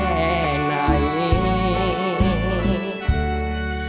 กลับมาหาบอกรักให้ยุ่ง